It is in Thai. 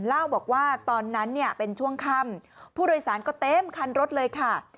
เล่าบอกว่าตอนนั้นเนี่ยเป็นช่วงค่ำผู้โดยสารก็เต็มคันรถเลยค่ะ